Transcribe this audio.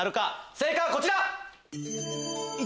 正解はこちら！